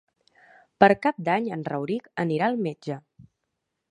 Per Cap d'Any en Rauric anirà al metge.